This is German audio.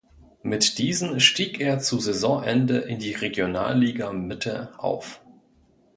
Mit diesen stieg er zu Saisonende in die Regionalliga Mitte auf.